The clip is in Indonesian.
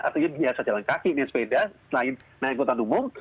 artinya biasa jalan kaki nespeda selain naik kota umum